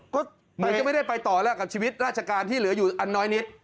ก็อาจจะไม่ได้ไปต่อแล้วกับชีวิตราชการที่เหลืออยู่อันน้อยนิด